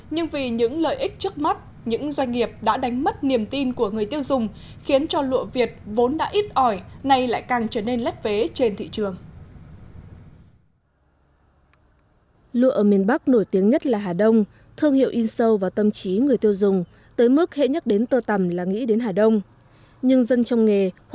nhưng vì những lợi ích trước mắt những doanh nghiệp đã đánh mất niềm tin của người tiêu dùng khiến cho lụa việt vốn đã ít ỏi nay lại càng trở nên lét vế trên thị trường